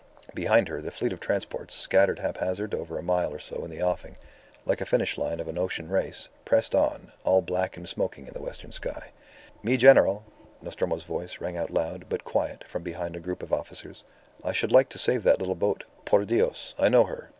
Behind her, the fleet of transports, scattered haphazard over a mile or so in the offing, like the finish of an ocean race, pressed on, all black and smoking on the western sky. "Mi General," Nostromo's voice rang out loud, but quiet, from behind a group of officers, "I should like to save that little boat. Por Dios, I know her.